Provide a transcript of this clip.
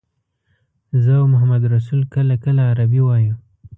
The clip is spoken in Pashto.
زه او محمدرسول کله کله عربي وایو.